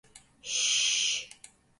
Şşşşş.